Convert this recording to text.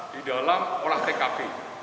di dalam olah tkp